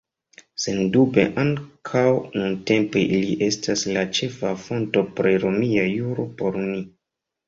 Sendube ankaŭ nuntempe ili estas la ĉefa fonto pri romia juro por ni.